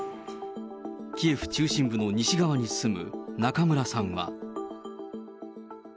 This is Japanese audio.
キエフ中心部の西側に住む中村さんは。